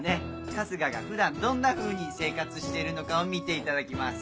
春日が普段どんなふうに生活しているのかを見ていただきます。